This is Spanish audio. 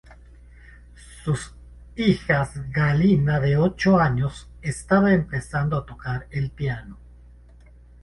Sus hija Galina de ocho años estaba empezando a tocar el piano.